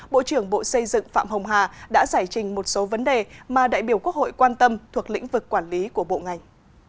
bộ trưởng bộ xây dựng phạm hồng hà đã giải trình một số vấn đề mà đại biểu quốc hội quan tâm thuộc lĩnh vực quản lý của bộ ngành